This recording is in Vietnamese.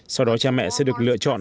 sau đó cha mẹ sẽ được lựa chọn